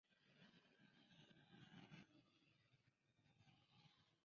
Un factor importante en la victoria bizantina fue el uso del fuego griego.